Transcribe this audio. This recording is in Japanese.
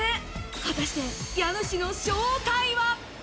果たして家主の正体は？